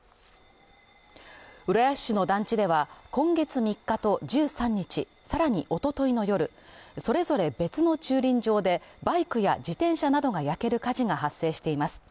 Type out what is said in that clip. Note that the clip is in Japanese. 浦安市の団地では、今月３日と１３日、さらにおとといの夜それぞれ別の駐輪場でバイクや自転車などが焼ける火事が発生しています。